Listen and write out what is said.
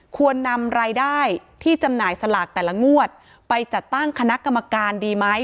ควรนำรายได้ที่จำหน่ายสลากแต่ละงวดไปจัดตั้งคณะกรรมการดีไหม